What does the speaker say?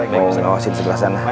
mau ngawasin sebelah sana